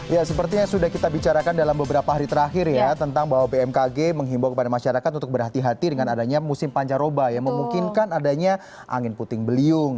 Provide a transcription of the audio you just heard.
ya seperti yang sudah kita bicarakan dalam beberapa hari terakhir ya tentang bahwa bmkg menghimbau kepada masyarakat untuk berhati hati dengan adanya musim pancaroba yang memungkinkan adanya angin puting beliung